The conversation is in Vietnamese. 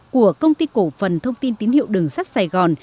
của công ty cổ phần thông tin tín hiệu đường sắt sài gòn